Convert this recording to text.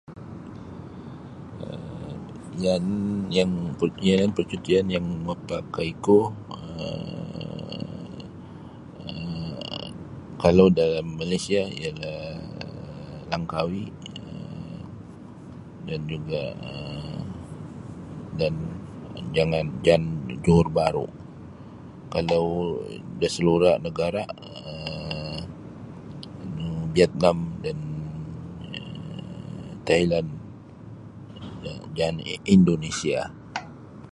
um yan yan yanan parcutian yang mapakaiku um kalau da Malaysia ialah Langkawi dan juga um dan jangan jan Johor Bahru kalau da salura negara um nu Vietnam dan Thailand jaan Indonesia.